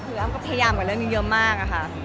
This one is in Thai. คืออ้ำก็พยายามกับเรื่องนี้เยอะมากค่ะ